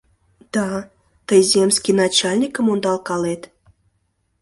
Да, тый земский начальникым ондалкалет?!